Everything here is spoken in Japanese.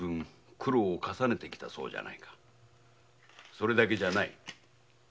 それだけじゃない。